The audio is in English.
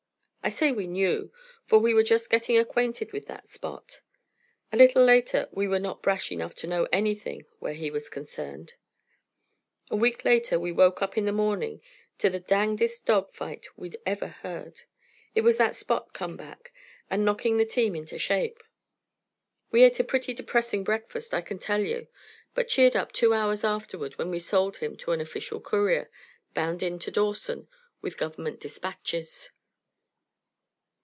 I say we knew, for we were just getting acquainted with that Spot. A little later we were not brash enough to know anything where he was concerned. A week later we woke up in the morning to the dangedest dog fight we'd ever heard. It was that Spot come back and knocking the team into shape. We ate a pretty depressing breakfast, I can tell you; but cheered up two hours afterward when we sold him to an official courier, bound in to Dawson with government dispatches.